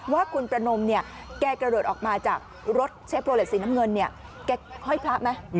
ว่าคุณประนมเนี่ยแกกระโดดออกมาจากรถเชฟโครเลสสีน้ำเงิน